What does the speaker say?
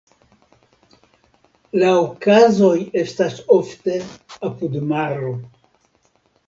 La okazoj estas ofte apud maro.